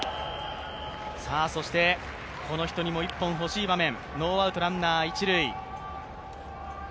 この人にも一本欲しい場面、ノーアウトでランナーは一塁。